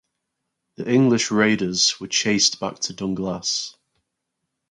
The English raiders were chased back to Dunglass.